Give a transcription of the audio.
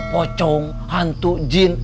pocong hantu jin